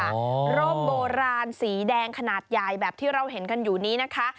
โรคโบราณสีแดงขนาดใหญ่แบบที่เราเห็นกันอยู่นี้นะคะ